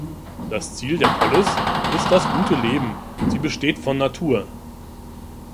Das Ziel der Polis ist das gute Leben; sie besteht von Natur.